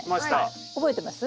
覚えてます？